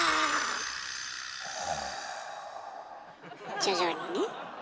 徐々にね。